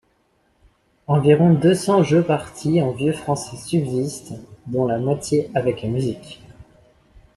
Environ deux cents jeux-partis en vieux français subsistent, dont la moitié avec la musique.